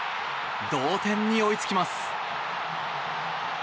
同点に追いつきます。